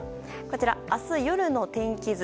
明日夜の天気図